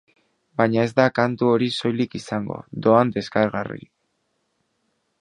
Baina ez da kantu hori soilik izango doan deskargagarri.